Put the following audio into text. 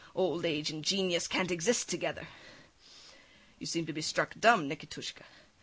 Old age and genius can't exist together. You seem to be struck dumb, Nikitushka.